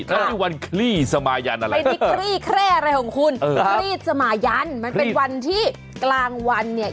แล้ววันครีสสมายันเป็นวันครีแค่อะไรของคุณครีสสมายันมันเป็นวันที่กลางวันเนี่ย